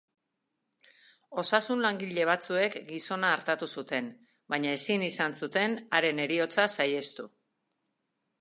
Osasun-langile batzuek gizona artatu zuten, baina ezin izan zuten haren heriotza saihestu.